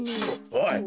おい！